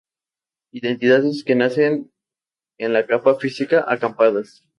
Identidades que nacen en la capa física: Acampadas.